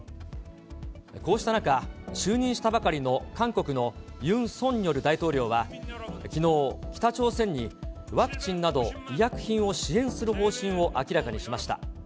こうした中、就任したばかりの韓国のユン・ソンニョル大統領はきのう、北朝鮮にワクチンなど、医薬品を支援する方針を明らかにしました。